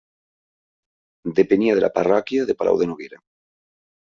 Depenia de la parròquia de Palau de Noguera.